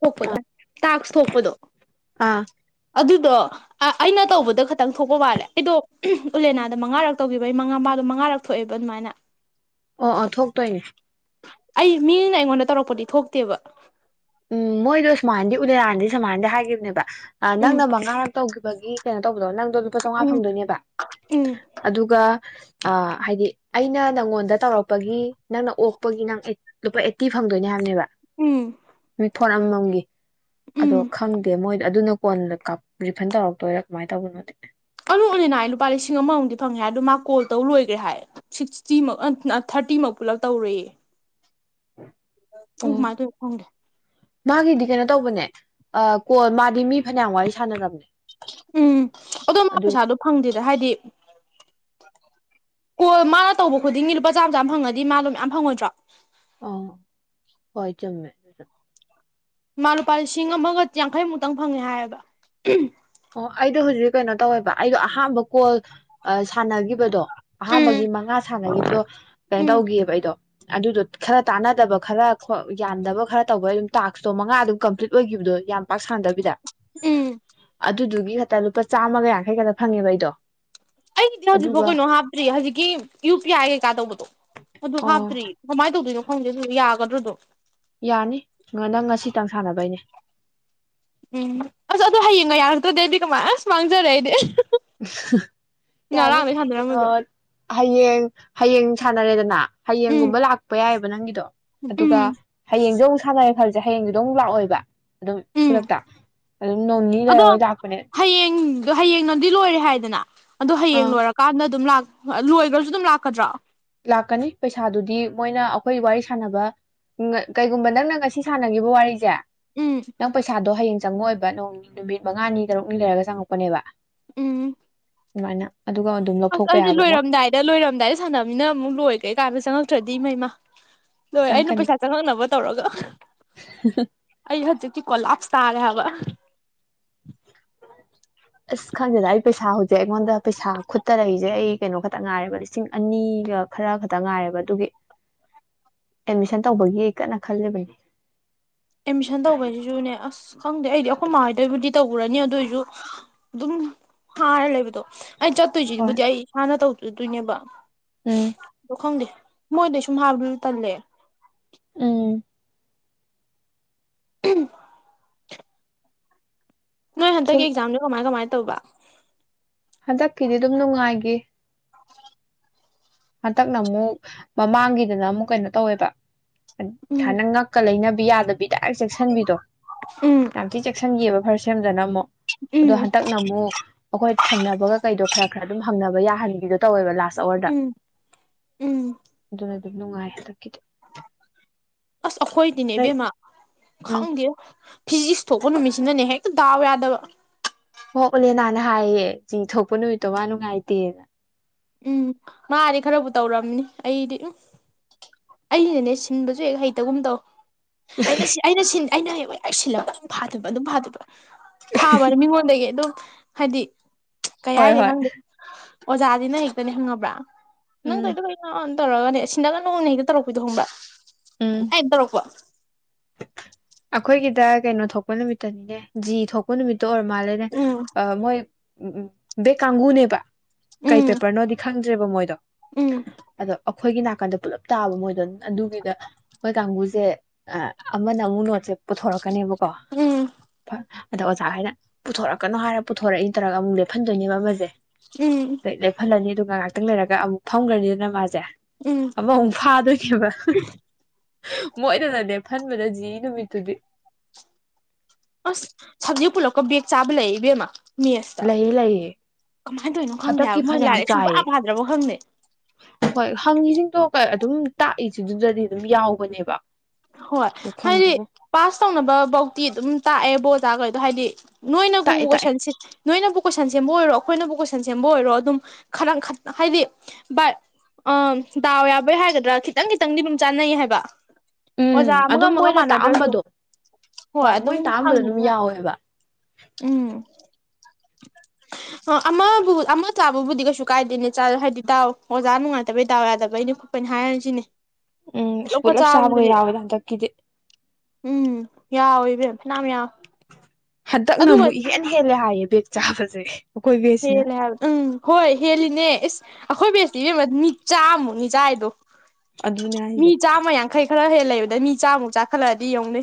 ꯊꯣꯛꯄꯗꯣ ꯇꯥꯛꯁ ꯊꯣꯛꯄꯗꯣ ꯑꯥ ꯑꯗꯨꯗꯣ ꯑꯥ ꯑꯩꯅ ꯇꯧꯕꯗ ꯈꯇꯪ ꯊꯣꯛꯄ ꯃꯥꯜꯂꯦ ꯑꯩꯗꯣ ꯎꯂꯦꯅꯥꯗ ꯃꯉꯥꯔꯛ ꯇꯧꯒꯤꯕꯩ ꯑꯩ ꯃꯉꯥ ꯃꯥꯗꯣ ꯃꯉꯥꯔꯛ ꯊꯣꯛꯑꯦꯕ ꯑꯗꯨꯃꯥꯏꯅ ꯑꯥ ꯑꯥ ꯊꯣꯛꯇꯣꯏꯅꯦ ꯑꯩ ꯃꯤꯅ ꯑꯩꯉꯣꯟꯗ ꯇꯧꯔꯛꯄꯗꯤ ꯊꯣꯛꯇꯦꯕ ꯎꯝ ꯃꯣꯏꯗꯣ ꯁꯨꯃꯥꯏꯅꯗꯤ ꯎꯂꯦꯅꯅꯗꯤ ꯁꯨꯃꯥꯏꯅꯗꯤ ꯍꯥꯏꯒꯤꯕꯅꯦꯕ ꯑ ꯅꯪ ꯎꯝ ꯅ ꯃꯉꯥ ꯇꯧꯈꯤꯕꯒꯤ ꯀꯩꯅꯣ ꯇꯧ ꯗ ꯅꯪꯗꯣ ꯂꯨꯄꯥ ꯆꯧꯉꯥ ꯎꯝ ꯐꯪꯗꯣꯏꯅꯦꯕ ꯎꯝ ꯑꯗꯨꯒ ꯍꯥꯏꯗꯤ ꯑꯩꯅ ꯅꯪꯉꯣꯟꯗ ꯇꯧꯔꯛꯄꯒꯤ ꯅꯪꯅ ꯑꯣꯛꯄꯒꯤ ꯅꯪ ꯂꯨꯄꯥ ꯑꯦꯠꯇꯤ ꯐꯪꯗꯣꯏꯅꯦ ꯍꯥꯏꯕꯅꯦꯕ ꯎꯝ ꯔꯤꯐꯣꯟ ꯑꯃ ꯃꯝꯒꯤ ꯎꯝ ꯑꯗꯣ ꯈꯪꯗꯦ ꯃꯣꯏꯗꯣ ꯑꯗꯨꯅ ꯐꯣꯟꯗ ꯀꯥꯞ ꯔꯤꯐꯟ ꯇꯧꯔꯛꯇꯣꯏꯔꯥ ꯀꯃꯥꯏꯅ ꯇꯧꯕꯅꯣꯗꯤ ꯑꯗꯣ ꯎꯂꯦꯅꯒꯤꯗꯤ ꯂꯨꯄꯥ ꯂꯤꯁꯤꯡ ꯑꯃꯃꯨꯛꯗꯤ ꯐꯪꯉꯦ ꯍꯥꯏꯗꯣ ꯃꯥ ꯀꯣꯜ ꯇꯧ ꯂꯣꯏꯒ꯭ꯔꯦ ꯍꯥꯏ ꯁꯤꯛꯁꯇꯤꯃꯛ ꯊꯥꯔꯇꯤꯃꯛ ꯄꯨꯂꯞ ꯇꯧꯔꯦꯌꯦ ꯑꯣ ꯀꯃꯥꯏꯅ ꯇꯧꯔꯤꯅꯣ ꯈꯪꯗꯦ ꯃꯥꯒꯤꯗꯤ ꯀꯩꯅꯣ ꯇꯧꯕꯅꯦ ꯑ ꯀꯣꯜ ꯃꯥꯗꯤ ꯃꯤ ꯐꯅꯌꯥꯝ ꯋꯥꯔꯤ ꯁꯥꯟꯅꯔꯔꯕꯅꯦ ꯎꯝ ꯑꯗꯣ ꯃꯥ ꯄꯩꯁꯥꯗꯣ ꯐꯪꯗꯦꯗ ꯍꯥꯏꯗꯤ ꯀꯣꯜ ꯃꯥꯅ ꯇꯧꯕ ꯈꯨꯗꯤꯡꯒꯤ ꯂꯨꯄꯥ ꯆꯥꯝꯃ ꯆꯥꯝ ꯐꯪꯉꯗꯤ ꯃꯥ ꯗꯣ ꯃꯌꯥꯝ ꯐꯪꯉꯣꯏꯗ꯭ꯔꯣ ꯑ ꯍꯣꯏ ꯆꯨꯝꯃꯦ ꯃꯥ ꯂꯨꯄꯥ ꯂꯤꯁꯤꯡ ꯑꯃꯒ ꯌꯥꯡꯈꯩꯃꯨꯛꯇꯪ ꯐꯪꯉꯦ ꯍꯥꯏꯌꯦꯕ ꯑꯣ ꯑꯩꯗꯣ ꯍꯧꯖꯤꯛ ꯀꯩꯅꯣ ꯇꯧꯋꯦꯕ ꯑꯩꯗꯣ ꯑꯍꯥꯟꯕ ꯀꯣꯜ ꯁꯥꯟꯅꯒꯤꯕꯗꯣ ꯎꯝ ꯑꯍꯥꯟꯕꯒꯤ ꯃꯉꯥ ꯁꯥꯟꯅꯒꯤꯕꯗꯣ ꯀꯩꯅꯣ ꯎꯝ ꯇꯧꯒꯤꯌꯦꯕ ꯑꯩꯗꯣ ꯑꯗꯨꯗꯣ ꯈꯔ ꯇꯥꯅꯗꯕ ꯈꯔ ꯌꯥꯟꯗꯕ ꯈꯔ ꯇꯧꯕ ꯑꯗꯨꯝ ꯇꯥꯛꯁꯇꯣ ꯃꯉꯥ ꯑꯗꯨꯝ ꯀꯝꯄ꯭ꯂꯤꯠ ꯑꯣꯏꯒꯤꯕꯗꯣ ꯌꯥꯝ ꯄꯥꯛ ꯁꯥꯟꯅꯗꯕꯤꯗ ꯎꯝ ꯑꯗꯨꯗꯨꯒꯤ ꯈꯛꯇ ꯂꯨꯄꯥ ꯆꯥꯝꯃꯒ ꯌꯥꯡꯈꯩ ꯈꯛꯇ ꯐꯪꯉꯦꯕ ꯑꯩꯗꯣ ꯑꯩꯗꯤ ꯍꯧꯖꯤꯛꯐꯥꯎ ꯑꯗꯨꯒ ꯀꯩꯅꯣ ꯍꯥꯞꯇ꯭ꯔꯤ ꯍꯧꯖꯤꯛꯀꯤ ꯌꯨ ꯄꯤ ꯑꯥꯏ ꯀꯩꯀꯥ ꯇꯧꯕꯗꯣ ꯑꯗꯨ ꯑꯣ ꯍꯥꯞꯇ꯭ꯔꯤ ꯀꯃꯥꯏꯅ ꯇꯧꯗꯣꯏꯅꯣ ꯈꯪꯗꯦ ꯑꯗꯨ ꯌꯥꯒꯗ꯭ꯔꯣꯗꯨꯝ ꯌꯥꯅꯤ ꯅꯪ ꯉꯁꯤꯇꯪ ꯁꯥꯟꯅꯕꯩꯅꯦ ꯎꯝ ꯑꯁ ꯑꯗꯨ ꯍꯌꯦꯡꯒ ꯌꯥꯔꯛꯇ꯭ꯔꯗꯤ ꯑꯩꯗꯤ ꯀꯃꯥꯏ ꯑꯁ ꯃꯥꯡꯖꯔꯦ ꯑꯩꯗꯤ ꯌꯥꯅꯤ ꯉꯔꯥꯡꯗꯩ ꯀꯩꯅꯣ ꯁꯥꯟꯅꯔꯝꯕꯗꯣ ꯍꯌꯦꯡ ꯍꯌꯦꯡ ꯁꯥꯟꯅꯔꯦꯗꯅ ꯎꯝ ꯍꯌꯦꯡꯒꯨꯝꯕ ꯂꯥꯛꯄ ꯌꯥꯏꯕ ꯕ ꯅꯪꯒꯤꯗꯣ ꯎꯝ ꯑꯗꯨꯒ ꯍꯌꯦꯡꯖꯨ ꯑꯃꯨꯛ [unintelligible] ꯐꯝꯁꯦ ꯍꯌꯦꯡꯗꯨꯗꯣ ꯑꯃꯨꯛ ꯂꯥꯛꯑꯣꯏꯕ ꯑꯗꯨꯝ ꯎꯝ ꯈꯨꯗꯛꯇ ꯑꯗꯨꯝ ꯅꯣꯡ ꯅꯤ ꯂꯩꯔ ꯍꯣꯏ ꯂꯥꯛꯄꯅꯦ ꯑꯗꯣ ꯍꯌꯦꯡ ꯅꯪꯗꯤ ꯂꯣꯏꯔꯦ ꯍꯥꯏꯗꯅ ꯑꯗꯣ ꯍꯌꯦꯡ ꯑꯥ ꯂꯣꯏꯔꯀꯥꯟꯗ ꯑꯗꯨꯝ ꯂꯥꯛ ꯂꯣꯏꯈ꯭ꯔꯁꯨ ꯑꯗꯨꯝ ꯂꯥꯛꯀꯗ꯭ꯔꯥ ꯂꯥꯛꯀꯅꯤ ꯄꯩꯁꯥꯗꯨꯗꯤ ꯃꯣꯏꯅ ꯑꯩꯈꯣꯏ ꯋꯥꯔꯤ ꯁꯥꯟꯅꯕ ꯀꯩꯒꯨꯝꯕ ꯅꯪꯅ ꯉꯁꯤ ꯁꯥꯟꯅꯈꯤꯕ ꯋꯥꯔꯤꯁꯦ ꯎꯝ ꯅꯪ ꯄꯩꯁꯥꯗꯣ ꯍꯌꯦꯡ ꯆꯪꯉꯑꯣꯏꯕ ꯅꯣꯡ ꯅꯨꯃꯤꯠ ꯃꯉꯥꯅꯤ ꯇꯔꯨꯛꯅꯤ ꯂꯩꯔꯒ ꯆꯪꯉꯛꯄꯅꯦꯕ ꯎꯝ ꯑꯗꯨꯃꯥꯏꯅ ꯑꯗꯨꯒ ꯑꯗꯨꯝ ꯑꯁ ꯂꯧꯊꯣꯛꯄ ꯑꯩꯗꯤ ꯌꯥꯕ ꯃꯣꯏ ꯂꯣꯏꯔꯝꯗꯥꯏꯗ ꯂꯣꯏꯔꯝꯗꯥꯏꯗ ꯁꯥꯟꯅꯕ ꯃꯤꯅ ꯑꯃꯨꯛ ꯂꯣꯏ ꯀꯩ ꯀꯥꯟꯗ ꯆꯪꯉꯛꯇ꯭ꯔꯗꯤ ꯏꯃꯩꯃꯥ ꯂꯣꯏ ꯑꯩꯅ ꯆꯪꯉꯛꯀꯅꯤ ꯄꯩꯁꯥ ꯆꯪꯉꯛꯅꯕ ꯇꯧꯔꯒ ꯑꯩ ꯍꯧꯖꯤꯛꯤꯇꯤ ꯀꯣꯂꯥꯞꯁ ꯇꯥꯔꯦ ꯍꯥꯏꯕ ꯑꯁ ꯈꯪꯗꯦꯗ ꯑꯩ ꯄꯩꯁꯥ ꯍꯧꯖꯤꯛ ꯑꯩꯉꯣꯟꯗ ꯄꯩꯁꯥ ꯈꯨꯠꯇ ꯂꯩꯏꯁꯦ ꯑꯩ ꯀꯩꯅꯣ ꯈꯛꯇ ꯉꯥꯏꯔꯦꯕ ꯂꯤꯁꯤꯡ ꯑꯅꯤꯒ ꯈꯔ ꯈꯛꯇ ꯉꯥꯏꯔꯦꯕ ꯑꯗꯨꯒꯤ ꯑꯦꯠꯃꯤꯁꯟ ꯇꯧꯕꯒꯤ ꯀꯟꯅ ꯈꯜꯂꯤꯕꯅꯦ ꯑꯦꯗꯃꯤꯁꯟ ꯇꯧꯕꯩꯗꯨꯁꯨꯅꯦ ꯑꯁ ꯈꯪꯗꯦ ꯑꯩꯗꯤ ꯑꯩꯈꯣꯏ ꯃꯥꯉꯗꯣꯏꯕꯨꯗꯤ ꯇꯧꯔꯅꯤ ꯑꯗꯨ ꯑꯣꯏꯁꯨ ꯑꯗꯨꯝ ꯍꯥꯏꯔ ꯂꯩꯕꯗꯣ ꯑꯩ ꯍꯣꯏ ꯆꯠꯇꯣꯏꯁꯤꯗꯤꯕꯨꯗꯤ ꯑꯩ ꯏꯁꯥꯟꯅ ꯇꯧ ꯑꯗꯨꯅꯦꯕ ꯎꯝ ꯗꯣ ꯈꯡꯗꯦ ꯃꯣꯏꯗꯩ ꯁꯨꯝ ꯍꯥꯏꯕꯗꯨꯁꯨ ꯇꯜꯂꯦ ꯎ ꯅꯣꯏ ꯍꯟꯇꯛ ꯁꯨꯝ ꯑꯦꯛꯖꯥꯝꯁꯦ ꯀꯃꯥꯏ ꯀꯃꯥꯏ ꯇꯧꯕ ꯍꯟꯗꯛꯀꯤꯗꯤ ꯑꯗꯨꯝ ꯅꯨꯡꯉꯥꯏꯈꯤ [inaudible] ꯍꯟꯗꯛꯅ ꯑꯃꯨꯛ ꯃꯃꯥꯡꯒꯤꯗꯅ ꯑꯃꯨꯛ ꯀꯩꯅꯣ ꯇꯧꯋꯦꯕ ꯊ ꯎꯝ ꯅꯪ ꯉꯛꯀ ꯂꯩꯅꯕꯤ ꯌꯥꯗ ꯕꯤꯗ ꯆꯦꯛꯁꯤꯟꯕꯤꯗꯣ ꯎꯝ ꯌꯥꯝ ꯊꯤ ꯆꯦꯛꯁꯤꯟꯈꯤ ꯑꯃ ꯐꯔꯁ ꯁꯦꯝꯗꯅ ꯑꯃꯨꯛ ꯑꯗꯣ ꯎꯝ ꯍꯟꯗꯛꯅ ꯑꯃꯨꯛ ꯑꯩꯈꯣꯏ ꯊꯪꯅꯕꯒ ꯀꯩꯗꯣ ꯈꯔ ꯈꯔ ꯑꯗꯨꯝ ꯍꯪꯅꯕ ꯌꯥ ꯍꯟꯒꯤꯗꯣ ꯇꯧꯋꯦꯕ ꯂꯥꯁ ꯑꯋꯥꯔꯗ ꯎꯝ ꯎꯝ ꯑꯗꯨ ꯅꯨꯡꯥꯏꯦ ꯑꯁ ꯑꯩꯈꯣꯏꯗꯤꯅꯦ ꯅꯣꯏ ꯏꯕꯦꯝꯃ ꯎꯝ ꯈꯪꯗꯦ ꯐꯤꯖꯤꯛꯁ ꯊꯣꯛꯄ ꯅꯨꯃꯤꯠꯁꯤꯅꯅꯦ ꯍꯦꯛꯇ ꯗꯥꯎ ꯌꯥꯗꯕ ꯑꯣ ꯑꯣꯂꯦꯅꯥꯅ ꯍꯥꯏꯌꯦ ꯌꯦ ꯆꯤꯡꯊꯣꯛꯄ ꯅꯨꯃꯤꯠꯇꯣ ꯃꯥ ꯅꯨꯡꯉꯥꯏꯇꯦꯅ ꯎꯝ ꯃꯥꯗꯤ ꯈꯔꯕꯨ ꯇꯧꯔꯝꯅꯤ ꯑꯩꯗꯤ ꯎꯝ ꯑꯩꯅꯅꯦ ꯁꯤꯟꯕꯁꯨ ꯍꯦꯛ ꯍꯩꯇꯒꯨꯝ ꯇꯧ ꯑꯩꯅ ꯑꯩꯅ ꯁꯤꯟ ꯑꯩꯅꯕꯨ ꯍꯦꯛ ꯁꯤꯜꯂꯒ ꯑꯗꯨꯝ ꯐꯥꯗꯣꯢꯕ ꯑꯗꯨꯝ ꯐꯥꯗꯣꯏꯕ ꯐꯥꯕ ꯝꯤꯉꯣꯟꯗꯒꯤ ꯑꯗꯨꯝ ꯍꯥꯏꯗꯤ ꯀꯩ ꯍꯣꯏ ꯍꯥꯏꯅꯤ ꯍꯣꯏ ꯈꯪꯗꯦ ꯑꯣꯖꯥꯖꯤꯅ ꯍꯦꯛꯇꯅꯦ ꯈꯪꯉꯕ꯭ꯔꯥ ꯅꯪ ꯎꯝ ꯇꯧꯏꯗꯣ ꯀꯩꯅꯣ ꯇꯔꯒꯅꯦ ꯁꯤꯟꯅꯒꯅꯣꯅ ꯍꯦꯛ ꯇꯧꯔꯛꯄꯤꯗꯣ ꯈꯪꯕꯔꯥ ꯎꯝ ꯍꯥꯏ ꯇꯧꯔꯛꯄ꯭ꯔꯣ ꯑꯩꯈꯣꯏꯒꯤꯗ ꯀꯩꯅꯣ ꯊꯣꯛꯄ ꯅꯨꯃꯤꯠꯇꯅꯤꯅꯦ ꯖꯤ ꯊꯣꯛꯄ ꯅꯨꯃꯤꯠꯇ ꯇꯣ ꯑꯣꯢꯔ ꯃꯥꯜꯂꯦ ꯎꯝ ꯃꯣꯢ ꯑꯝ ꯑꯝ ꯕꯦꯛ ꯀꯥꯡꯒꯨꯅꯦꯕ ꯀꯩ ꯎꯝ ꯄꯦꯄꯔꯅꯣꯗꯤ ꯈꯪꯗ꯭ꯔꯦꯕ ꯃꯣꯏꯗꯣ ꯎꯝ ꯑꯗꯣ ꯑꯩꯈꯣꯏꯒꯤ ꯅꯥꯀꯟꯗ ꯄꯨꯂꯞ ꯇꯥꯕ ꯃꯣꯏꯗꯣ ꯑꯗꯨꯒꯤꯗ ꯃꯣꯏ ꯀꯥꯡꯕꯨꯖꯦ ꯑꯥ ꯑꯃꯅ ꯑꯃꯨꯛ ꯅꯣꯠ ꯄꯨꯊꯣꯔꯛ ꯀꯥꯅꯤ ꯕ ꯑꯣ ꯎꯝ ꯐꯥ ꯑꯗꯣ ꯑꯣꯖꯥ ꯍꯣꯏꯅ ꯄꯨꯊꯣꯔꯛꯀꯅꯣ ꯍꯥꯏꯔ ꯄꯨꯊꯣꯔꯛꯏ ꯇꯧꯔꯒ ꯑꯃꯨꯛ ꯂꯦꯞꯍꯟꯗꯣꯏꯅꯦꯕ ꯑꯃꯖꯦ ꯎꯝ ꯀꯩ ꯂꯦꯞꯐꯜꯂꯅꯤꯗꯨ ꯒ ꯉꯥꯏꯍꯥꯛꯇꯪ ꯂꯩꯔꯒ ꯑꯃꯨꯛ ꯐꯝꯒ꯭ꯔꯅꯤꯗꯅ ꯃꯥꯖꯦ ꯎꯝ ꯑꯃꯃꯨꯛ ꯐꯥꯗꯣꯏꯅꯦꯕ ꯃꯣꯏꯗꯅꯅꯦ ꯂꯦꯞꯐꯟꯕꯗ ꯖꯤ ꯏ ꯅꯨꯃꯤꯠ ꯇꯨꯗꯤ ꯑꯁ ꯁꯞꯖꯦꯛ ꯄꯨꯂꯞꯀ ꯕꯦꯛ ꯆꯥꯕ ꯂꯩꯌꯦ ꯏꯕꯦꯝꯃ ꯃꯦꯠꯁꯇ ꯂꯩꯌꯦ ꯂꯩꯌꯦ ꯀꯃꯥꯏꯅ ꯇꯧꯔꯤꯅꯣ ꯈꯪꯗꯦ ꯍꯟꯗꯛꯀꯤ ꯍꯥꯏꯕ ꯃꯣꯏ ꯐꯟꯌꯥꯝ ꯂꯥꯏꯔꯤꯛ ꯁꯨꯡꯄꯥ ꯆꯥꯏꯌꯦ ꯄꯥꯗ꯭ꯔꯕ ꯈꯪꯗꯦ ꯍꯣꯏ ꯍꯪꯉꯤꯖꯤꯡꯗꯣ ꯑꯗꯨꯝ ꯇꯥꯛꯏꯖꯤꯡ ꯗꯨꯗꯗꯤ ꯑꯗꯨꯝ ꯌꯥꯎꯕꯅꯦꯕ ꯍꯣꯏ ꯑꯗꯣ ꯍꯥꯏꯗꯤ ꯈꯪꯗꯦꯕꯣ ꯄꯥꯁ ꯇꯧꯅꯕ ꯕꯧꯇꯤ ꯑꯗꯨꯝ ꯇꯥꯛꯑꯦꯕꯣ ꯖꯥꯒꯩꯗꯣ ꯍꯥꯏꯗꯤ ꯅꯣꯏꯅꯕꯨ ꯇꯥꯛꯑꯦ ꯇꯥꯛꯑꯦ ꯀꯣꯏꯁꯟꯁꯤ ꯅꯣꯏꯅꯕꯨ ꯀꯣꯏꯁꯟ ꯁꯦꯝꯕ ꯑꯣꯏꯔꯣ ꯑꯩꯈꯣꯏꯅꯕꯨ ꯀꯣꯏꯁꯟ ꯁꯦꯝꯕ ꯑꯣꯏꯔꯣ ꯑꯗꯨꯝ ꯈꯔꯪ ꯈꯠ ꯍꯥꯏꯗꯤ ꯕꯠ ꯑꯥꯥ ꯗꯥꯎ ꯌꯥꯕꯩ ꯍꯥꯏꯒꯗ꯭ꯔꯥ ꯈꯤꯇꯪ ꯈꯤꯇꯪꯗꯤ ꯑꯗꯨꯝ ꯆꯥꯟꯅꯩ ꯍꯥꯏꯕ ꯎꯝ ꯑꯣꯖꯥ ꯑꯃꯒ ꯑꯗꯨꯝ ꯑꯃꯒ ꯃꯣꯏꯅ ꯃꯥꯟꯅꯗ꯭ꯔꯁꯨ ꯇꯥꯛꯑꯝꯕꯗꯣ ꯍꯣꯏ ꯑꯗꯨꯝ ꯃꯣꯏꯅ ꯇꯥꯛꯑꯝꯕꯗꯣ ꯐꯪꯉꯤ ꯑꯗꯨꯝ ꯉꯥꯛꯇꯅꯦ ꯌꯥꯎꯋꯦꯕ ꯎꯝ ꯑꯣ ꯑꯃꯕꯨ ꯑꯃ ꯆꯥꯕꯕꯨꯗꯤ ꯀꯩꯁꯨ ꯀꯥꯏꯗꯦꯅꯦ ꯆ ꯍꯥꯏꯗꯤ ꯗꯥꯎ ꯑꯣꯖꯥ ꯅꯨꯡꯉꯥꯏꯇꯕꯩ ꯗꯥꯎ ꯌꯥꯗꯕꯩꯅꯦ ꯈꯣꯠꯄꯅꯤ ꯍꯥꯏꯔꯖꯤꯅꯦ ꯎꯝ ꯄꯨꯂꯞ ꯆꯥꯕꯒ ꯌꯥꯎꯋꯤꯗ ꯍꯟꯗꯛ ꯀꯤꯗꯤ ꯎꯝ ꯌꯥꯎꯋꯤꯏꯕꯦꯝ ꯐꯅꯥꯝ ꯌꯥꯎꯋꯦ ꯍꯗꯛꯅ ꯑꯃꯨꯛ ꯑꯗꯨꯒꯗꯤ ꯏꯍꯦꯟ ꯍꯦꯂꯦ ꯍꯥꯏꯌꯦ ꯕꯦꯛ ꯆꯥꯕꯁꯦ ꯕꯦꯁꯁꯤꯅ ꯍꯦꯜꯂꯦ ꯍꯥꯏ ꯎꯝ ꯍꯣꯏ ꯍꯦꯜꯂꯤꯅꯦ ꯏꯁ ꯑꯩꯈꯣꯏ ꯕꯦꯁꯇꯤ ꯏꯕꯦꯝꯃ ꯃꯤ ꯆꯥꯝꯃꯃꯨꯛꯅꯤ ꯆꯥꯏꯗꯣ ꯑꯗꯨꯅꯦ ꯃꯤ ꯍꯥꯏꯁꯦ ꯆꯥꯝꯃ ꯌꯥꯡꯈꯩ ꯈꯔ ꯍꯦꯜ ꯂꯩꯕ ꯑꯗ ꯃꯤ ꯆꯥꯃꯨꯛ ꯆꯥꯈꯠꯂꯛꯑꯗꯤ ꯌꯦꯡꯎꯅꯦ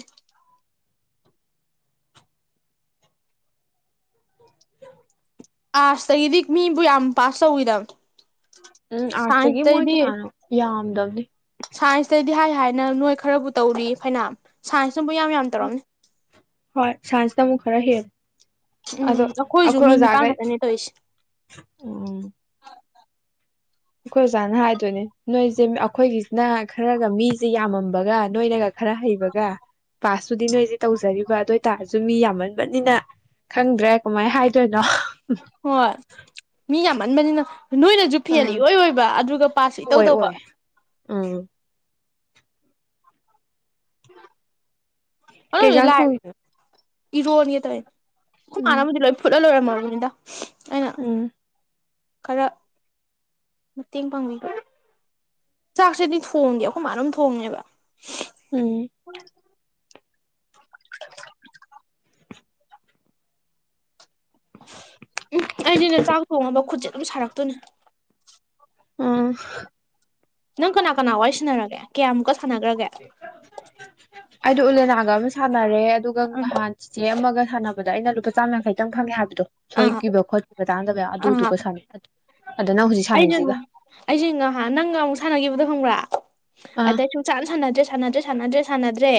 ꯑꯔꯠ꯭ꯁꯇꯒꯤꯗꯤ ꯃꯤꯕꯨ ꯌꯥꯝ ꯄꯥꯁ ꯇꯧꯒꯤꯗꯕꯅꯦ ꯎꯝ ꯑꯥꯔꯠꯁꯇꯒꯤ ꯃꯣꯏ ꯀꯌꯥꯅꯣ ꯌꯥꯝꯗꯕꯅꯤ ꯁꯥꯏꯟꯁꯇꯩꯗꯤ ꯍꯥꯏ ꯍꯥꯏꯅ ꯅꯣꯏ ꯈꯔꯕꯨ ꯇꯧꯔꯤ ꯐꯅꯌꯥꯝ ꯁꯥꯏꯟꯁ ꯁꯨꯝꯕꯨ ꯌꯥꯝ ꯌꯥꯝ ꯇꯧꯔꯝꯅꯦ ꯇꯃꯨꯛ ꯈꯔ ꯍꯦꯜꯂꯦ ꯎꯝ ꯑꯗꯣ ꯑꯩꯈꯣꯏꯁꯨ ꯑꯩꯈꯣꯏ ꯃꯤ ꯅꯤꯄꯥꯟ ꯑꯣꯖꯥꯒꯩ ꯈꯛꯇꯅꯦ ꯇꯧꯔꯤꯁꯦ ꯎꯝ ꯑꯩꯈꯣꯏ ꯑꯣꯖꯥꯅ ꯍꯥꯏꯗꯣꯏꯅꯦ ꯅꯣꯏꯁꯦ ꯑꯩꯈꯣꯏꯒꯤꯁꯤꯅ ꯈꯔꯒ ꯃꯤꯁꯦ ꯌꯥꯝꯃꯝꯕꯒ ꯅꯣꯏꯅꯒ ꯈꯔ ꯍꯩꯕꯒ ꯄꯥꯁꯇꯨꯗꯤ ꯅꯣꯏꯁꯦ ꯇꯧꯖꯔꯤꯕ ꯑꯗꯨ ꯑꯣꯏ ꯇꯔꯁꯨ ꯃꯤ ꯌꯥꯝꯃꯟ ꯅꯤꯅ ꯈꯪꯗ꯭ꯔꯦ ꯀꯃꯥꯏ ꯍꯥꯏꯗꯣꯏꯅꯣ ꯍꯣꯏ ꯃꯤ ꯌꯥꯝ ꯃꯟ ꯃꯅꯤꯅ ꯅꯣꯏꯅꯁꯨ ꯐꯦꯟ ꯑꯥ ꯏꯑꯣꯏ ꯑꯣꯏꯕ ꯑꯗꯨꯒ ꯄꯥꯁꯁꯨ ꯏꯇꯧ ꯑꯣꯏ ꯇꯧꯕ ꯑꯣꯏ ꯎꯝ ꯀꯩꯖꯥꯡ ꯊꯣꯡꯒꯤꯅꯣ ꯏ ꯔꯣꯅꯒꯦ ꯇꯧꯏꯅꯦ ꯑꯈꯣ ꯃꯥꯅꯕꯨꯗꯤ ꯂꯣꯏ ꯐꯨꯠꯂ ꯂꯣꯏꯔꯃ [unintelligible] ꯎꯝ ꯈꯔ ꯃꯇꯦꯡ ꯄꯥꯡꯕꯤꯕ ꯆꯥꯛꯁꯦꯗꯤ ꯊꯣꯡꯗꯦ ꯑꯩꯈꯣꯏ ꯃꯥ ꯑꯗꯨꯝ ꯊꯣꯡꯑꯦꯕ ꯎꯝ [unintelligible] [inaudible] ꯎꯝ ꯑꯩꯗꯤꯅꯦ ꯆꯥꯛ ꯊꯣꯡꯉꯕ ꯈꯨꯠꯁꯦ ꯑꯗꯨꯝ ꯁꯥꯔꯛꯇꯣꯏꯅꯦ ꯑꯥ ꯅꯪ ꯀꯅꯥ ꯀꯅꯥ ꯋꯥꯏ ꯁꯤꯅꯔꯒꯦ ꯀꯌꯥꯃꯨꯛꯀ ꯁꯥꯟꯅꯈ꯭ꯔꯒꯦ ꯑꯩꯗꯣ ꯎꯂꯦꯅꯥꯒ ꯑꯃ ꯁꯥ ꯁꯥꯟꯅꯔꯦ ꯑꯗꯨꯒ ꯑꯥ ꯅꯍꯥꯟ ꯆꯤ ꯆꯦ ꯑꯃꯒ ꯁꯥꯟꯅꯕ ꯕꯗ ꯑꯩꯅ ꯂꯨꯄꯥ ꯆꯥꯝꯃ ꯌꯥꯡꯈꯩ ꯇꯪ ꯐꯪꯉꯦ ꯍꯤ ꯁꯣꯏꯈꯤꯕ ꯈꯣꯠꯈꯤꯕ ꯇꯥꯗꯕ ꯑꯗꯨꯗꯨꯒ ꯁꯥꯅꯤ ꯑꯩꯁꯨꯅꯦ ꯑꯩꯁꯨ ꯅꯍꯥꯟ ꯅꯪꯒ ꯑꯃꯨꯛ ꯁꯥꯟꯅꯈꯤꯕꯗꯣ ꯈꯪꯕ꯭ꯔꯥ ꯑꯥ ꯑꯗꯩꯩ ꯁꯨꯁꯥꯟ ꯁꯥꯟꯅꯗꯔ꯭ꯦ ꯁꯥꯟꯅꯖꯦ ꯁꯥꯟꯅꯗ꯭ꯔꯦ ꯁꯥꯟꯅꯗ꯭ꯔꯦ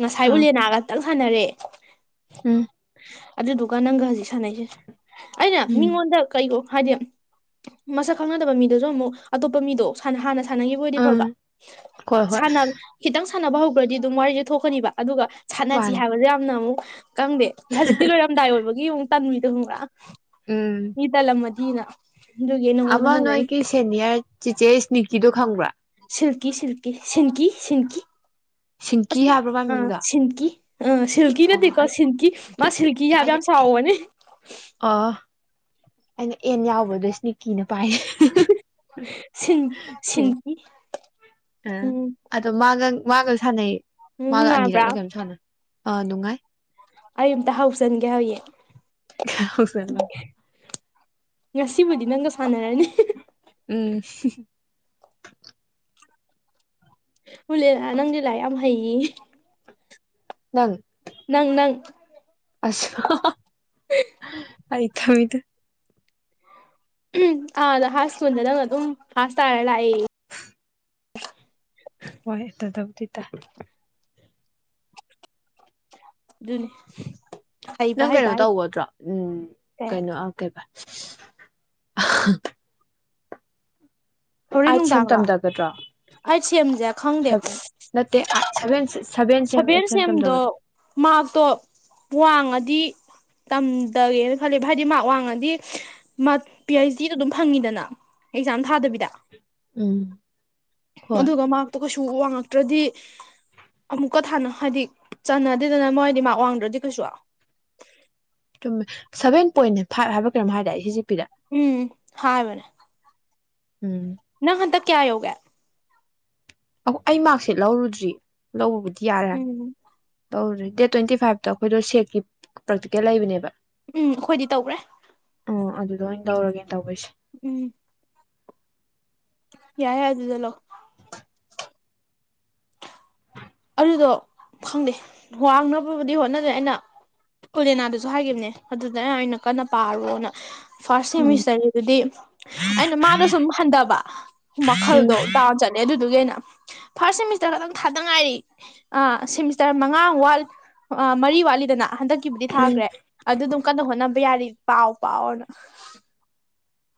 ꯉꯁꯥꯏ ꯑꯥ ꯎꯂꯦꯅꯥꯒ ꯇꯪ ꯁꯅꯔꯦ ꯎꯝ ꯑꯗꯨꯗꯨꯒꯥ ꯅꯪꯒ ꯍꯧꯖꯤꯛ ꯁꯥꯟꯅꯩꯁꯤꯅꯦ ꯑꯩꯅ ꯎꯝ ꯃꯤꯉꯣꯟꯗ ꯀꯩꯩꯅꯣ ꯍꯥꯏꯗꯤ ꯃꯁꯛ ꯈꯪꯅꯗꯕ ꯃꯤꯗꯨꯁꯨ ꯑꯃꯨꯛ ꯑꯇꯣꯞꯄ ꯃꯤꯗꯣ ꯁꯥꯅꯍꯥꯅ ꯁꯥꯟꯅꯒꯤꯕ ꯑꯣꯏꯗꯤ ꯑꯥ ꯐꯕ ꯍꯣꯏ ꯍꯣꯏ ꯁꯥꯅꯕꯥ ꯈꯤꯇꯪ ꯁꯥꯟꯅꯕ ꯍꯧꯒ꯭ꯔꯗꯤ ꯑꯗꯨꯝ ꯋꯥꯔꯤꯁꯦ ꯊꯣꯛꯀꯅꯤꯕ ꯑꯗꯨꯒ ꯁꯥꯟꯅꯁꯤ ꯃꯥꯅꯦ ꯍꯥꯏꯕꯗꯨ ꯌꯥꯝꯅ ꯑꯃꯨꯛ ꯀꯪꯗꯦ ꯍꯧꯖꯤꯛꯇꯤ ꯂꯣꯏꯔꯝꯗꯥꯏ ꯑꯣꯏꯕꯒꯤ ꯑꯃꯨꯛ ꯇꯟꯕꯤꯗꯣ ꯈꯪꯕ꯭ꯔ ꯎꯝ ꯃꯤ ꯇꯜꯂꯝꯃꯗ ꯃꯤꯅ ꯑꯃ ꯅꯣꯏꯒꯤ ꯁꯦꯅꯤꯌꯔ ꯆꯤꯆꯦ ꯅꯤꯀꯤ ꯗꯣ ꯈꯪꯕ꯭ꯔꯥ ꯁꯤꯜꯀꯤ ꯁꯤꯜꯀꯤ ꯁꯤꯟꯀꯤ ꯁꯤꯟꯀꯤ ꯁꯤꯡꯀꯤ ꯍꯥꯏꯕ꯭ꯔꯥ ꯃꯥ ꯑ ꯃꯃꯤꯡꯗꯣ ꯁꯤꯟꯀꯤ ꯎꯝ ꯁꯤꯜꯀꯤ ꯑꯣ ꯅꯠꯇꯦꯀꯣ ꯑꯩ ꯁꯤꯟꯀꯤ ꯃꯥ ꯁꯤꯜꯀꯤ ꯍꯥꯏꯕ ꯑꯩꯅ ꯌꯥꯝ ꯁꯥꯎꯕꯅꯦ ꯑꯩꯅ ꯑꯦꯟ ꯌꯥꯎꯕꯗꯣꯏ ꯁ꯭ꯅꯤꯀꯤꯅ ꯄꯥꯏ ꯁꯤꯟ ꯁꯤꯟꯀꯤ ꯎꯝ ꯃꯥꯒꯁꯨ ꯁꯥꯟꯅꯩ ꯃꯥꯒ ꯅꯨꯡꯉꯥꯏꯕ꯭ꯔꯥ ꯑꯅꯤꯔꯛꯂ ꯀꯩꯅꯣꯝ ꯁꯥꯟꯅ ꯑꯥ ꯅꯨꯡꯉꯥꯏ ꯑꯩ ꯑꯃꯇ ꯍꯎꯁꯟꯒꯦ ꯍꯧꯌꯦꯡ ꯉꯁꯤꯕꯨꯗꯤ ꯅꯪꯒ ꯁꯥꯟꯅꯔꯅꯤ ꯎꯝ ꯎꯂꯦꯅꯥ ꯅꯪꯗꯤ ꯂꯥꯏꯔꯤꯛ ꯌꯥꯝ ꯍꯩꯌꯦꯌꯦ ꯅꯪ ꯅꯪ ꯅꯪ ꯑꯁ ꯍꯥ ꯍꯥ ꯍ ꯑꯩ ꯊꯨꯢꯗ ꯎꯝ ꯑꯥ ꯍꯥꯏ ꯁ꯭ꯀꯨꯜꯗ ꯅꯪꯅ ꯗꯨꯝ ꯐꯥꯖ ꯇꯥꯔꯥ ꯂꯥꯛꯑꯦ ꯍꯣꯏ ꯇꯗꯕꯨꯗꯤ ꯇꯥꯏ ꯑꯗꯨꯅꯤ ꯍꯩꯕ ꯅꯪ ꯍꯩꯕ ꯀꯩꯅꯣ ꯍꯥꯏꯁꯦ ꯇꯧꯒꯗ꯭ꯔꯣ ꯎꯝ ꯀꯌꯥ ꯀꯩꯅꯣ ꯑ ꯀꯩꯕ ꯑ ꯍꯣꯔꯦꯟ ꯑꯥꯏꯠ ꯁꯦꯝ ꯅꯨꯡꯗꯥꯡꯂꯣ ꯇꯝꯗꯒꯗ꯭ꯔꯣ ꯑꯩꯠ ꯁꯦꯝꯁꯦ ꯁꯚꯦꯟ ꯅꯠꯇꯦ ꯑ ꯁꯚꯦꯟ ꯁꯤꯁ ꯁꯕꯦꯟ ꯁꯦꯝꯗꯣ ꯃꯥꯔꯛꯇꯣ ꯋꯥꯡꯉ ꯗꯤ ꯇꯝꯗꯒꯦꯅ ꯈꯜꯂꯦ ꯍꯥꯏꯗꯤ ꯃꯥꯛ ꯋꯥꯡꯉꯗꯤ ꯃꯥ ꯄꯤ ꯑꯩꯩꯆ ꯗꯤ ꯑꯗꯨꯝ ꯐꯪꯉꯤꯗꯅ ꯑꯦꯛꯖꯥꯝ ꯊꯥꯗꯕꯤꯗ ꯎꯝ ꯍꯣꯏ ꯑꯗꯨꯒ ꯃꯥꯛꯇꯣ ꯀꯩꯁꯨ ꯁꯨ ꯋꯥꯡꯉꯛꯇ꯭ꯔꯗꯤ ꯑꯃꯨꯛꯀ ꯊꯥꯅ ꯍꯥꯏꯗꯤ ꯆꯅꯗꯦꯗꯅ ꯃꯣꯏꯗꯤ ꯃꯥꯛ ꯋꯥꯡꯗ꯭ꯔꯗꯤ ꯀꯩꯁꯨ ꯆꯨꯝꯃꯦ ꯁꯚꯦꯟ ꯄꯣꯏꯟ ꯐꯥꯏꯚ ꯍꯥꯏꯕ ꯀꯩꯅꯣꯝ ꯍꯥꯏꯗꯥꯏ ꯁꯤꯁꯤ ꯄꯤꯗ ꯎꯝ ꯍꯥꯏ ꯕꯅꯦ ꯎꯝ ꯅꯪ ꯍꯟꯗꯛ ꯀꯌꯥ ꯌꯧꯒ ꯑꯃꯨꯛ ꯑꯩ ꯃꯥꯔꯛꯁꯤꯠ ꯂꯧꯔꯨꯗ꯭ꯔꯤ ꯂꯧꯕꯕꯨ ꯎꯝ ꯇꯧꯔꯦ ꯗꯦꯠ ꯇꯣꯏꯟꯇꯤ ꯐꯥꯏꯚꯇ ꯑꯩꯈꯣꯏꯗꯣ ꯁꯦꯛꯀꯤ ꯄ꯭ꯔꯥꯛꯇꯤꯀꯦꯜ ꯂꯩꯕꯅꯦꯕ ꯎꯝ ꯑꯩꯈꯣꯏꯗꯤ ꯇꯧꯒ꯭ꯔꯦ ꯇꯧꯔꯒꯦꯅ ꯇꯧꯕ ꯑꯩꯁꯦ ꯎꯝ ꯌꯥꯏ ꯌꯥ ꯑꯗꯨꯗꯂꯧ ꯑꯗꯨꯗꯣ ꯈꯪꯗꯦ ꯋꯥꯡꯅꯕꯕꯨꯗꯤ ꯍꯣꯠꯅꯔꯦ ꯑꯩꯅ ꯑꯣꯂꯦꯅꯥꯗꯁꯨ ꯍꯥꯏꯒꯤꯕꯅꯦ ꯑꯗꯨꯗ ꯑꯩꯅ ꯀꯟꯅ ꯄꯥꯔꯣꯅ ꯐꯥꯔꯁ ꯎꯝ ꯁꯦꯃꯤꯁꯇꯔꯒꯤꯗꯨꯗꯤ ꯑꯩꯅ ꯃꯥꯗ ꯁꯨꯝ ꯍꯟꯗꯕ ꯎꯝ ꯃꯈꯜꯗꯣ ꯗꯥꯎꯟ ꯆꯠꯂꯦ ꯑꯗꯨꯗꯨꯒꯤ ꯑꯩꯅ ꯐꯥꯔꯁꯠ ꯁꯦꯃꯤꯁꯇꯔ ꯈꯛꯇꯪ ꯊꯥꯗ ꯉꯥꯏꯔꯤ ꯑ ꯁꯦꯃꯤꯁꯇꯔ ꯃꯉꯥ ꯋꯥꯠ ꯃꯔꯤ ꯋꯥꯠꯂꯤꯗꯅ ꯍꯟꯗꯛꯀꯤꯕꯨꯗꯤ ꯎꯝ ꯊꯥꯒ꯭ꯔꯦ ꯑꯗꯨ ꯑꯗꯨꯝ ꯀꯟꯅ ꯍꯣꯠꯅꯕ ꯌꯥꯔꯤ ꯄꯥꯎ ꯄꯥꯎꯅ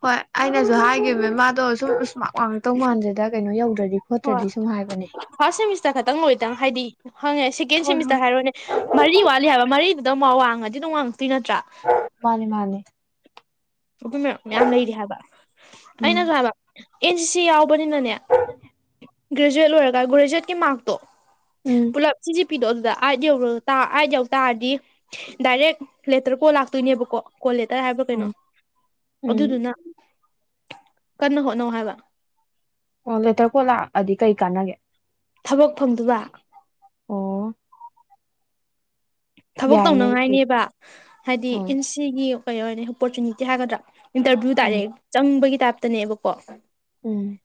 ꯍꯣꯏ ꯑꯩꯅꯖꯨ ꯍꯥꯏꯈꯤꯕ ꯃꯥꯗꯣ ꯁꯨꯝ ꯃꯥꯛ ꯋꯥꯡ ꯑꯛꯇꯧ ꯃꯥꯟꯗꯦꯗ ꯀꯩꯅꯣ ꯌꯧꯗ꯭ꯔ ꯍꯣꯏ ꯐꯥꯔꯁ ꯁꯦꯃꯤꯁꯇꯔ ꯈꯛꯇꯪ ꯂꯣꯏꯗꯪ ꯍꯥꯏꯗꯤ ꯍꯪꯉꯦ ꯁꯦꯀꯦꯟ ꯍꯣꯏ ꯍꯣꯏ ꯁꯦꯃꯤꯁꯇꯔ ꯍꯥꯏꯔꯣꯅꯦ ꯃꯔꯤ ꯋꯥꯠꯂꯤ ꯍꯥꯏꯕ ꯃꯔꯤꯗꯨ [unintelligible] ꯃꯥꯅꯦ ꯃꯥꯅꯦ ꯑꯗꯨꯝꯕ ꯃꯌꯥꯝ ꯂꯩꯔꯤ ꯍꯥꯏꯕ ꯎꯝ ꯑꯩꯅꯖꯨ ꯍꯥꯏꯕ ꯑꯦꯟ ꯁꯤ ꯁꯤ ꯌꯥꯎꯕꯅꯤꯅꯅꯦ ꯒ꯭ꯔꯦꯖꯨꯋꯦꯠ ꯂꯣꯏꯔꯒ ꯒ꯭ꯔꯦꯖꯨꯋꯦꯠꯀꯤ ꯃꯥꯔꯛꯇꯣ ꯎꯝ ꯄꯨꯂꯞꯁꯤ ꯄꯤꯗꯣ ꯑꯗꯨꯗ ꯑꯥꯏꯠ ꯌꯧꯔ ꯑꯥꯏꯠ ꯌꯧ ꯇꯥꯔꯗꯤ ꯗꯥꯏꯔꯦꯛ ꯂꯦꯇꯔ ꯀꯣꯜ ꯂꯥꯛꯇꯣꯏꯅꯦꯕꯀꯣ ꯀꯣꯜꯂꯦꯇꯔ ꯍꯥꯏꯕ꯭ꯔꯣ ꯀꯩꯅꯣ ꯎꯝ ꯎꯝ ꯑꯗꯨꯗꯨꯅ ꯀꯟꯅ ꯍꯣꯠꯅꯧ ꯍꯥꯏꯕ ꯑꯣ ꯂꯦꯇꯔ ꯀꯣꯜ ꯂꯥꯛꯑꯗꯤ ꯀꯩ ꯀꯥꯟꯅꯒꯦ ꯊꯕꯛ ꯐꯪꯗꯨꯏꯕ ꯑꯣ ꯊꯕꯛ ꯌꯥꯏꯅꯦ ꯑꯗꯨꯗꯤ ꯇꯧꯅꯉꯥꯏꯅꯦꯕ ꯍꯥꯏꯗꯤ ꯎꯝ ꯢꯟꯁꯤꯒꯤ ꯀꯩ ꯑꯣꯏꯔꯅꯤ ꯑꯣꯄꯣꯔꯆꯨꯅꯤꯇꯤ ꯍꯥꯏꯒꯗ꯭ꯔꯥ ꯏꯟꯇꯔꯚꯤꯌꯨ ꯎꯝ ꯗꯥꯏꯔꯦꯛ ꯆꯪꯕꯒꯤ ꯇꯥꯞꯇꯅꯦꯕꯀꯣ ꯎꯝ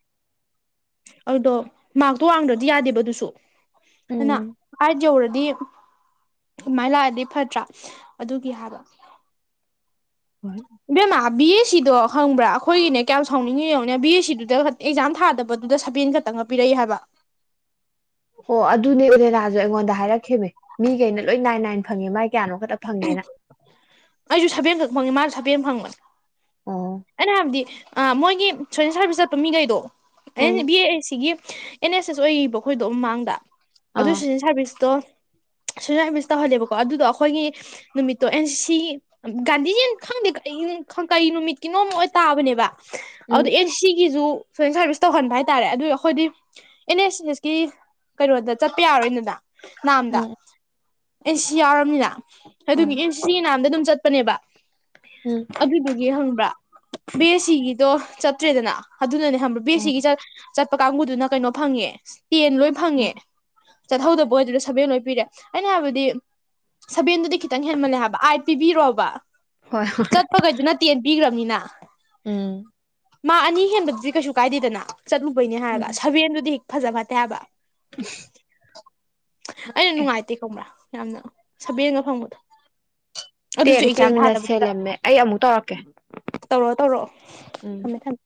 ꯑꯗꯨꯗꯣ ꯃꯥꯔꯛꯇꯣ ꯋꯥꯡꯗ꯭ꯔꯗꯤ ꯌꯥꯗꯦꯕ ꯑꯗꯨꯁꯨ ꯑꯥꯅ ꯎꯝ ꯑꯥꯏꯠ ꯌꯧꯔꯗꯤ ꯑꯗꯨꯃꯥꯏꯅ ꯂꯥꯛꯑꯗꯤ ꯐꯠꯇ꯭ꯔꯥ ꯑꯗꯨꯒꯤ ꯍꯥꯏꯕ ꯍꯣꯏ ꯏꯕꯦꯝꯃ ꯕꯤ ꯑꯦꯁ ꯁꯤꯗꯣ ꯈꯪꯕ꯭ꯔꯥ ꯑꯈꯣꯏꯒꯤꯅꯦ ꯀꯌꯥꯝ ꯁꯥꯎꯅꯤꯡꯉꯤ ꯌꯦꯉꯣꯅꯦ ꯕꯤ ꯑꯦꯁ ꯁꯤꯗꯨꯗ ꯑꯦꯛꯖꯥꯝ ꯊꯥꯗꯕꯗꯨꯗ ꯁꯕꯦꯟ ꯈꯇꯪ ꯄꯤꯔꯛꯏ ꯍꯥꯏꯕ ꯑꯣ ꯑꯗꯨꯅꯦ ꯎꯔꯦꯅꯥꯖꯨ ꯑꯩꯉꯣꯟꯗ ꯍꯥꯏꯔꯛꯈꯤꯕ ꯃꯤꯒꯩꯅ ꯂꯣꯏ ꯅꯥꯏ ꯅꯥꯏꯅ ꯐꯪꯉꯦ ꯃꯥꯏ ꯀꯌꯥꯅꯣ ꯈꯛꯇ ꯐꯪꯉꯦꯅ ꯑꯩꯖꯨ ꯁꯕꯦꯟ ꯈꯛ ꯐꯪꯉꯦ ꯃꯥꯁꯨ ꯁꯥꯕꯦꯟ ꯐꯪꯕꯅꯦ ꯑꯣ ꯑꯩꯅ ꯍꯥꯏꯕꯗꯤ ꯑꯥ ꯃꯣꯏꯒꯤ ꯁꯣꯏꯁꯦꯜ ꯁꯥꯔꯚꯤꯁ ꯆꯠꯄ ꯃꯤꯒꯩꯗꯣ ꯎꯝ ꯑꯗꯨꯅꯦ ꯕꯤ ꯑꯦ ꯁꯤ ꯒꯤ ꯑꯦꯟ ꯑꯦꯁ ꯑꯦꯁ ꯑꯣꯏꯕ ꯑꯈꯣꯏꯒꯤꯕ ꯃꯃꯥꯡꯗ ꯑꯗꯨ ꯑꯥ ꯁꯣꯁꯦꯟ ꯁꯥꯔꯕꯤꯁꯇꯣ ꯁꯣꯁꯦꯟ ꯁꯔꯕꯤꯁ ꯇꯧꯍꯜꯂꯦꯕꯀꯣ ꯑꯗꯨꯗꯣ ꯑꯈꯣꯏꯒꯤ ꯅꯨꯃꯤꯠꯇꯣ ꯑꯦꯟ ꯁꯤ ꯒꯥꯟꯙꯤꯅ ꯈꯪꯗꯦ ꯀ ꯀꯔꯤ ꯅꯨꯃꯤꯠ ꯀꯤꯅꯣꯝ ꯑꯣꯏ ꯇꯥꯕꯅꯦꯕ ꯎꯝ ꯑꯗꯨꯗꯣ ꯑꯦꯟ ꯁꯤꯒꯤꯁꯨ ꯁꯣ ꯁꯥꯔꯚꯤꯁꯁ ꯇꯧꯍꯟꯕ ꯍꯥꯏꯇꯥꯔꯦ ꯑꯗꯨ ꯑꯈꯣꯏꯗꯤ ꯑꯦꯟ ꯑꯦꯁ ꯑꯦꯟ ꯑꯦꯁꯀꯤ ꯀꯩꯅꯣꯗ ꯆꯠꯄ ꯌꯥꯔꯣꯏꯗꯅ ꯅꯥꯝꯗ ꯎꯝ ꯑꯦꯟ ꯁꯤ ꯌꯥꯎꯔꯕꯅꯤꯅ ꯍꯣꯏ ꯑꯗꯨꯒꯤ ꯑꯦꯟ ꯁꯤ ꯁꯥꯅꯥꯝꯗ ꯑꯗꯨꯝ ꯆꯠꯄꯅꯦꯕ ꯎꯝ ꯑꯗꯨꯗꯨꯒꯤ ꯍꯪ ꯕꯤ ꯑꯦꯁ ꯁꯤꯒꯤꯗꯣ ꯆꯠꯇ꯭ꯔꯦꯗꯅ ꯑꯗꯨꯅꯅꯦ ꯈꯪꯕ꯭ꯔ ꯕꯤ ꯑꯦꯁ ꯑꯥ ꯁꯤꯒꯤ ꯆꯠꯄ ꯀꯥꯡꯕꯨꯗꯨꯅ ꯀꯩꯅꯣ ꯐꯪꯉꯦ ꯇꯦꯟ ꯂꯣꯏ ꯎꯝ ꯐꯪꯉꯦ ꯆꯠꯍꯧꯗꯕ ꯑꯣꯏꯗꯨꯗ ꯁꯚꯦꯟ ꯂꯣꯏ ꯄꯤꯔꯦ ꯑꯩꯅ ꯍꯥꯏꯕꯗꯤ ꯁꯚꯦꯟꯗꯨꯗꯤ ꯈꯤꯇꯪ ꯍꯦꯟꯃꯜꯂꯦ ꯍꯥꯏꯕ ꯑꯥꯏꯠ ꯄꯤꯕꯤꯔꯣ ꯍꯥꯕ ꯍꯣꯏ ꯆꯠꯄꯈꯩꯗꯨ ꯅ ꯇꯦꯟ ꯄꯤꯒ꯭ꯔꯕꯅꯤꯅ ꯎꯝ [inaudible] ꯃꯥꯛ ꯑꯅꯤ ꯍꯦꯟꯕꯗꯨꯗꯤ ꯀꯩꯁꯨ ꯀꯥꯏꯗꯦꯗꯅ ꯆꯠꯂꯨꯕꯩꯅꯦ ꯎꯝ ꯍꯥꯏꯔꯒ ꯁꯕꯦꯟꯗꯨꯗꯤ ꯍꯦꯛ ꯐꯖ ꯐꯠꯇꯦ ꯍꯥꯏꯕ ꯑꯩꯅ ꯑꯦ ꯅꯨꯡꯉꯥꯏꯇꯦ ꯈꯪꯕ꯭ꯔꯥ ꯌꯥꯝꯅ ꯁꯕꯦꯟꯒ ꯐꯪꯕꯗꯣ ꯑꯗꯨꯁꯨ ꯇꯦꯟ ꯇꯦꯟ ꯑꯦꯛꯖꯥꯝ ꯃꯤꯅꯠꯁ ꯍꯦꯂꯝꯃꯦ ꯑꯩ ꯑꯃꯨꯛ ꯇꯧꯔꯛꯀꯦ ꯇꯧꯔꯛꯑꯣ ꯇꯧꯔꯛꯑꯣ ꯎꯝ ꯊꯝꯃꯦ ꯊꯝꯃꯦ